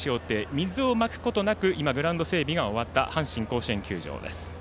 水をまくことなくグラウンド整備が終わった阪神甲子園球場です。